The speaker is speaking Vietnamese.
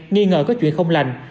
nghi ngờ có chuyện không lành